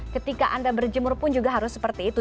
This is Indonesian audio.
ketika anda berjemur pun juga harus seperti itu